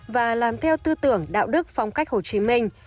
và làm theo tư tưởng đạo đức phong cách hồ chí minh